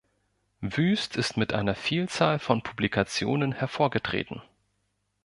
Wüst ist mit einer Vielzahl von Publikationen hervorgetreten.